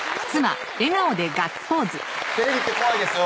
テレビって怖いですよ